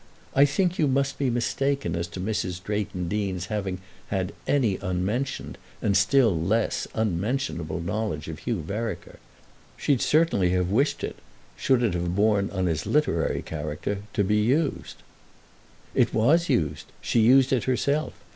I think you must be mistaken as to Mrs. Drayton Deane's having had any unmentioned, and still less any unmentionable, knowledge of Hugh Vereker. She'd certainly have wished it—should it have borne on his literary character—to be used." "It was used. She used it herself.